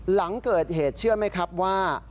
หลังเกิดเหตุเชื่อไหมครับว่า